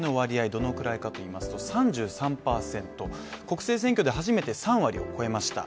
どのくらいかといいますと３３％、国政選挙で初めて３割を超えました。